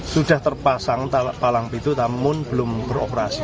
sudah terpasang palang pintu namun belum beroperasi